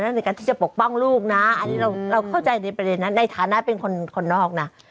ในการที่จะปกป้องลูกนะอันนี้เราเข้าใจในประเด็นนั้นในฐานะเป็นคนนอกนะ